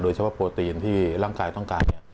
เฉพาะโปรตีนที่ร่างกายต้องการ